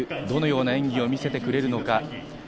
どのような演技を見せてくれるのか。